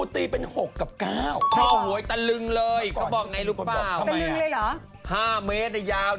แต่เรียกอะไรคะ